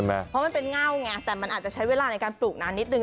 เพราะมันเป็นเง่าไงแต่มันอาจจะใช้เวลาในการปลูกนานนิดนึ